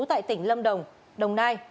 tại tỉnh lâm đồng đồng nai